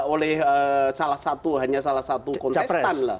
oleh salah satu hanya salah satu kontestan lah